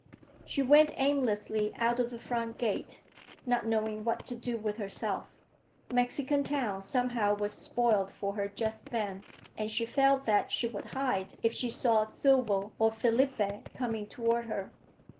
She went aimlessly out of the front gate, not knowing what to do with herself. Mexican Town, somehow, was spoiled for her just then, and she felt that she would hide if she saw Silvo or Felipe coming toward her.